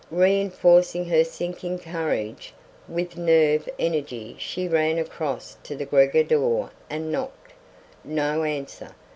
Reenforcing her sinking courage with nerve energy she ran across to the Gregor door and knocked. No answer.